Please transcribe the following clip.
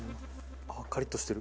カリッとしてる。